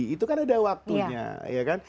itu kan ada waktunya